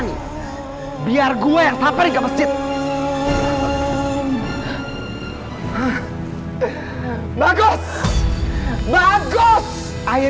mas rudy jangan nekat mas jangan nekat mas